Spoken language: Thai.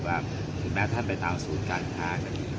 ว่าถึงแม้ท่านไปตามศูนย์การทาง